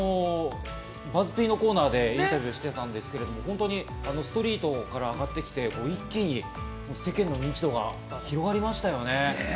ＢＵＺＺ−Ｐのコーナーでインタビューしてたんですけど、ストリートから上がってきて、一気に世間の認知度が広がりましたよね。